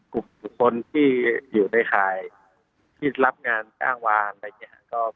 กลุ่มคนที่อยู่ในข่ายที่รับงานจ้างวานอะไรอย่างนี้ครับ